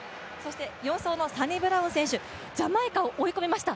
４走のサニブラウン選手、ジャマイカを追い込みました。